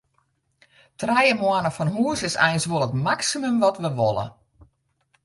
Trije moanne fan hús is eins wol it maksimum wat wy wolle.